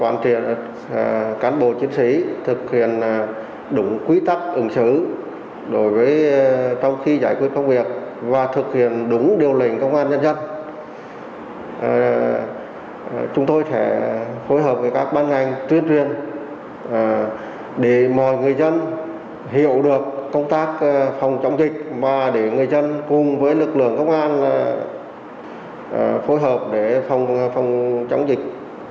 mọi người dân hiểu được công tác phòng chống dịch và để người dân cùng với lực lượng công an phối hợp để phòng chống dịch